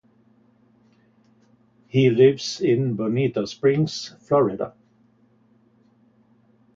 He lives in Bonita Springs, Florida.